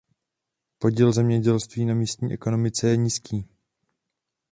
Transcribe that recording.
Podíl zemědělství na místní ekonomice je nízký.